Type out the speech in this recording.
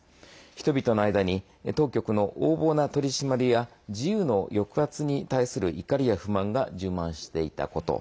人々の間に当局の横暴な取り締まりや自由の抑圧に対する怒りや不満が充満していたこと。